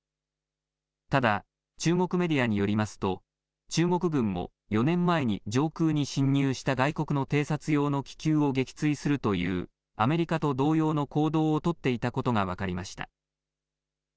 ただ、中国メディアによりますと、中国軍も４年前に上空に侵入した外国の偵察用の気球を撃墜するという、アメリカと同様の行動を取っていたことが分かりました。